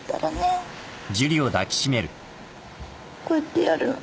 こうやってやるの。